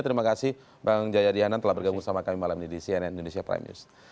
terima kasih bang jaya dihanan telah bergabung sama kami malam ini di cnn indonesia prime news